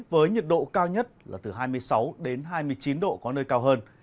với nhiệt độ cao nhất là từ hai mươi sáu đến hai mươi chín độ có nơi cao hơn